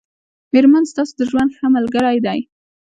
مېرمن ستاسو د ژوند ښه ملګری دی